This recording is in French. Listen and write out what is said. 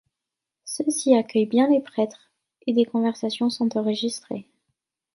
Ceux-ci accueillent bien les prêtres et des conversions sont enregistrées.